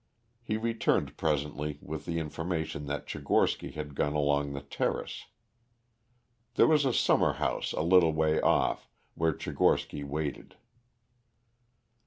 He returned presently with the information that Tchigorsky had gone along the terrace. There was a summer house a little way off, where Tchigorsky waited.